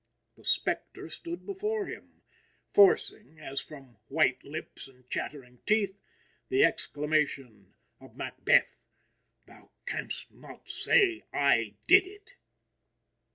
the spectre stood before him, forcing, as from "white lips and chattering teeth," the exclamation of Macbeth: "Thou canst not say I did it!"